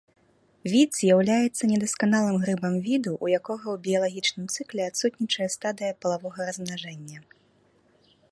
Від з'яўляецца недасканалым грыбам віду, у якога ў біялагічным цыкле адсутнічае стадыя палавога размнажэння.